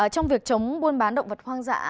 trong việc chống buôn bán động vật hoang dã